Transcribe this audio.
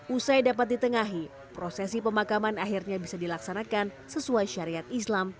usai dapat ditengahi prosesi pemakaman akhirnya bisa dilaksanakan sesuai syariat islam